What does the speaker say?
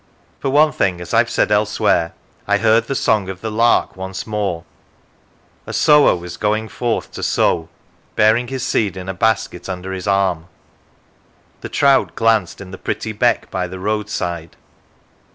For one thing, as I have said elsewhere, I heard the song of the lark once more; a sower was going forth to sow, bearing his seed in a basket under his arm; the trout glanced in the pretty beck by the roadside.